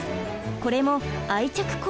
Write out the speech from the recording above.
これも愛着行動。